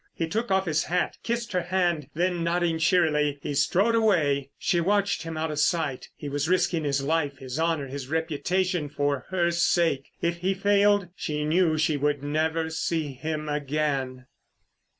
He took off his hat, kissed her hand, then nodding cheerily, he strode away. She watched him out of sight. He was risking his life, his honour, his reputation, for her sake. If he failed, she knew she would never see him again.